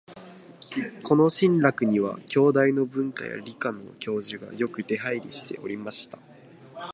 この「信楽」には、京大の文科や理科の教授がよく出入りしておりました